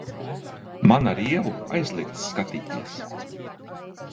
Man ar Ievu aizliegts skatīties!